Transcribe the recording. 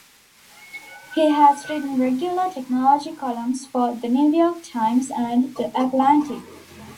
He has written regular technology columns for "The New York Times" and "The Atlantic".